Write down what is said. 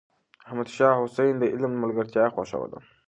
احمد شاه حسين د علم ملګرتيا خوښوله.